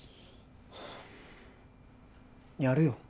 やるよ